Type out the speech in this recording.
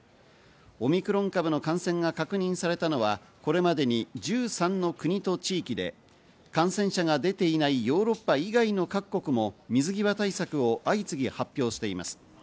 オミクロン株の感染が確認されたのはこれまでに１３の国と地域で感染者が出ていないヨーロッパ以外の各国も水際対策を相次ぎ発表しています。